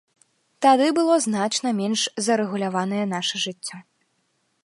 Тады было значна менш зарэгуляванае наша жыццё.